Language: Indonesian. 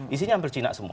isinya hampir cina semua